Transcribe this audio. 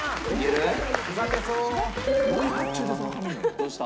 どうした？